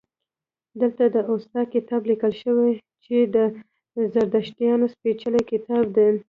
دلته د اوستا کتاب لیکل شوی چې د زردشتیانو سپیڅلی کتاب دی